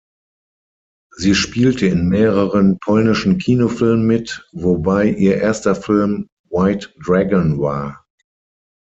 Sie spielte in mehreren polnischen Kinofilmen mit, wobei ihr erster Film „White Dragon“ war.